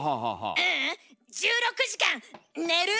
ううん１６時間寝る！